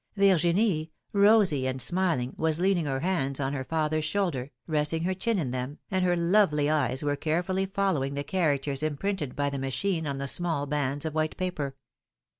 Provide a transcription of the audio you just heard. Vir ginie, rosy and smiling, was leaning her hands on her father's shoulder, resting her chin in them, and her lovely eyes were carefully following the characters im printed by the machine on the small bands of white paper.